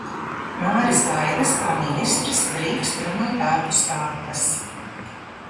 Māris Gailis, kā ministrs, drīkst runāt ārpus kārtas.